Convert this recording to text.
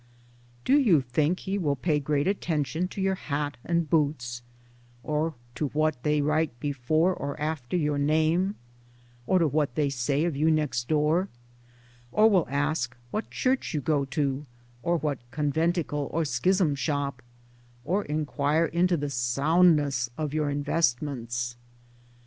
Do you think he will pay great attention to your hat and boots, or to what they write before or after your name, or to what they say of you next door — or will ask what church you go to, or what conventicle or schism shop, or enquire into the soundness of your investments?